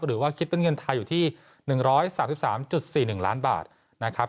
หรือว่าคิดเป็นเงินไทยอยู่ที่๑๓๓๔๑ล้านบาทนะครับ